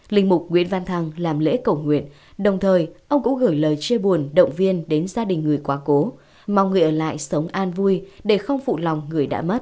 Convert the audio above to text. linh mục nguyễn văn thăng làm lễ cầu nguyện đồng thời ông cũng gửi lời chia buồn động viên đến gia đình người quá cố mong người ở lại sống an vui để không phụ lòng người đã mất